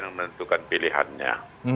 yang menentukan pilihannya